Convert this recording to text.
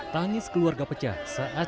tangis keluarga peca